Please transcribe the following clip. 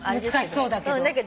難しそうだけど。